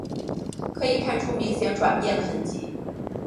可以看出明显转变的痕迹